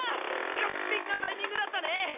完璧なタイミングだったね！